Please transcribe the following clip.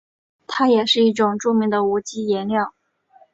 它也是一种著名的无机颜料。